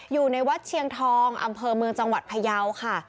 อยู่ในวัดเชียงทองอำเภอเมืองจังหวัดพยาวค่ะ